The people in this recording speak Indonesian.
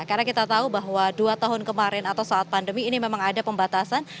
karena kita tahu bahwa dua tahun kemarin atau saat pandemi ini memang ada pembatasan